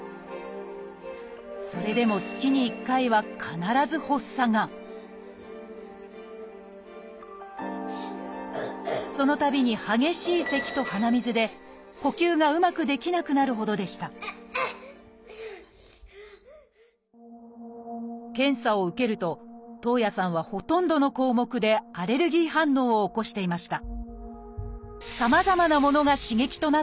それでも月に１回は必ず発作がそのたびに激しいせきと鼻水で呼吸がうまくできなくなるほどでした検査を受けると徳文さんはほとんどの項目でアレルギー反応を起こしていました。